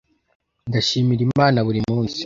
ndashimira imana buri munsi